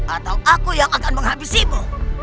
atau aku yang akan menghabisimu